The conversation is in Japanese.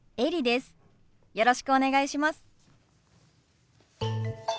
よろしくお願いします。